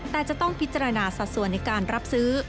แต่จะต้องพิจารณาสัดส่วนในการรับซื้อ